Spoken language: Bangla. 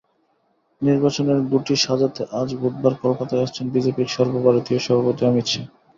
নির্বাচনের ঘুঁটি সাজাতে আজ বুধবার কলকাতায় আসছেন বিজেপির সর্বভারতীয় সভাপতি অমিত শাহ।